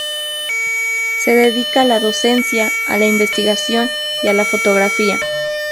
Se dedica a la docencia, a la investigación y a la fotografía.